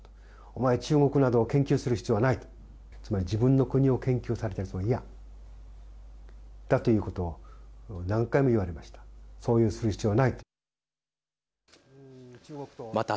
お前、中国などを研究する必要はないとつまり自分の国を研究されたりするのは嫌だということを何回も言われました。